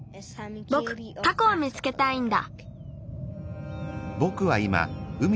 ぼくタコを見つけたいんだ。